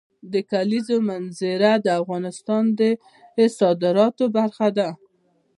د کلیزو منظره د افغانستان د صادراتو برخه ده.